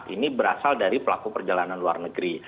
ini berasal dari pelaku perjalanan luar negeri